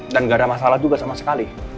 dan ga ada masalah juga sama sekali